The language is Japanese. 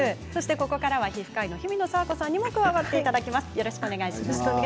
ここからは皮膚科医の日比野佐和子さんに加わっていただきます。